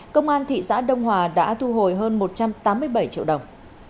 công an thị xã đông hòa đã thu hồi hơn một trăm tám mươi bảy triệu đồng